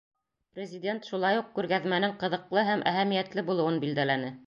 Президент шулай уҡ күргәҙмәнең ҡыҙыҡлы һәм әһәмиәтле булыуын билдәләне.